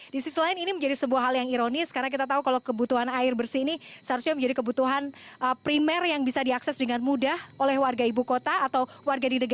di sisi lain ini menjadi sebuah hal yang ironis karena kita tahu kalau kebutuhan air bersih ini seharusnya menjadi kebutuhan primer yang bisa diakses dengan mudah oleh warga ibu kota atau warga negara